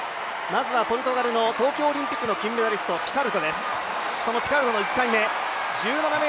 まずはポルトガルの東京オリンピックの金メダル、ピカルドです。